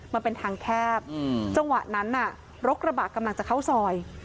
มันเป็นทางแคบจังหวะนั้นน่ะรถกระบะกำลังจะเข้าซอย